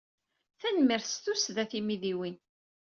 Tanemmirt s tussda a timidiwin!